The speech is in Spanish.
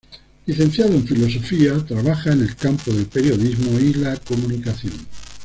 Licenciado en Filosofía, trabaja en el campo del periodismo y la comunicación.